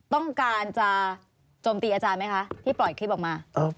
ต้องการจะโจมตีอาจารย์ไหมคะที่ปล่อยคลิปออกมา